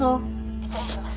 失礼します。